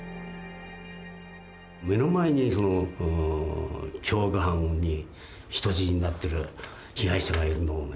目の前に凶悪犯に人質になってる被害者がいるのをね